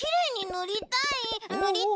ぬりたい！